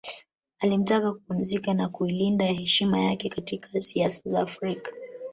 Alimtaka kupumzika na kuilinda heshima yake katika siasa za Afrika